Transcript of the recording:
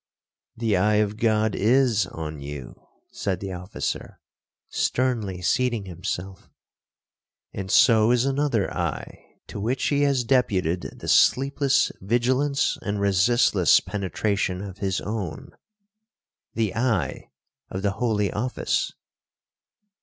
'—'The eye of God is on you,' said the officer, sternly seating himself; 'and so is another eye, to which he has deputed the sleepless vigilance and resistless penetration of his own,—the eye of the holy office.